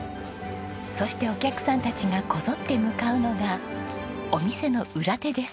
そしてお客さんたちがこぞって向かうのがお店の裏手です。